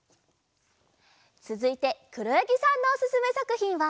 つづいてくろやぎさんのおすすめさくひんは。